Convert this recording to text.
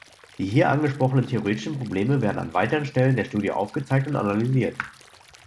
Die hier angesprochenen theoretischen Probleme werden an weiteren Stellen der Studie aufgezeigt und analysiert.